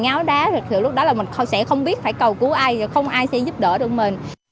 ngáo đá thì lúc đó là mình sẽ không biết phải cầu cứu ai không ai sẽ giúp đỡ được mình